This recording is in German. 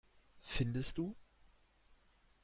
Findest du?